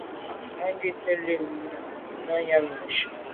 Kà ghùtni wul o num nu yàm neshu.